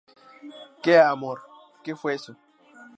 ¿ Qué, amor? ¿ qué fue eso?